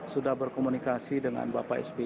sudah berkomunikasi dengan bapak sby